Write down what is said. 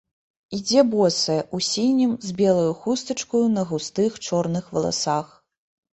Ідзе босая, у сінім, з белаю хустачкаю на густых чорных валасах.